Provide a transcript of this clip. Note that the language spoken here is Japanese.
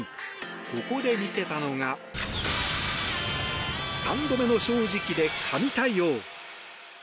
ここで見せたのが３度目の正直で神対応。